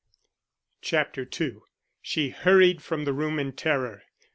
CHAPTER II SHE hurried from the room in terror.